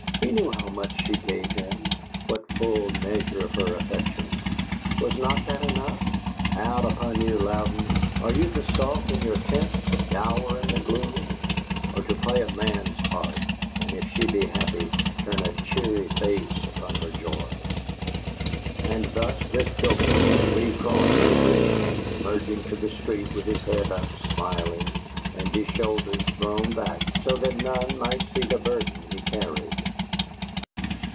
He knew how much she gave him, what full measure of her affection! Was not that enough? Out upon you, Louden! Are you to sulk in your tent, dour in the gloom, or to play a man's part, and if she be happy, turn a cheery face upon her joy? And thus this pilgrim recrossed the bridge, emerging to the street with his head up, smiling, and his shoulders thrown back so that none might see the burden he carried.